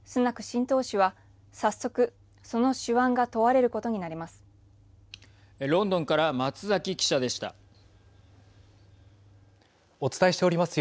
新党首は、早速その手腕が問われることになります。